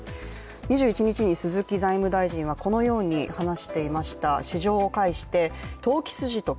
２１日に鈴木財務大臣はこのように話していました。